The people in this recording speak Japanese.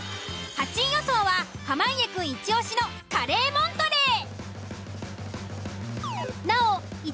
８位予想は濱家くんイチオシのカレーモントレー。